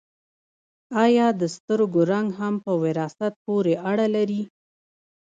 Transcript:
ایا د سترګو رنګ هم په وراثت پورې اړه لري